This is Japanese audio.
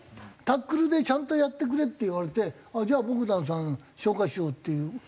『タックル』でちゃんとやってくれって言われてじゃあボグダンさん紹介しようっていう。